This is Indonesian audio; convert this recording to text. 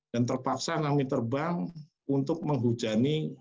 dan terpaksa kami terbang untuk menghujani